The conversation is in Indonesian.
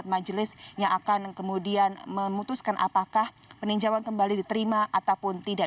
majelis yang akan kemudian memutuskan apakah peninjauan kembali diterima ataupun tidak